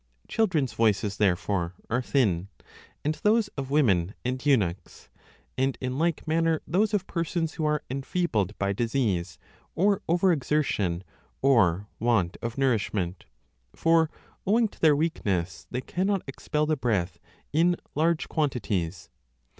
Children s voices, therefore, are thin, and those 20 of women and eunuchs, and in like manner those of person^ who are enfeebled by disease or over exertion or want of nourishment ; for owing to their weakness they cannot expel the breath in large quantities.